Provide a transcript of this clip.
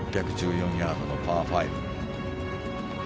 ６１４ヤードのパー５。